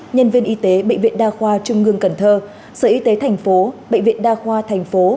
nhân viên y tế bệnh viện đa khoa trung ương cần thơ sở y tế thành phố bệnh viện đa khoa thành phố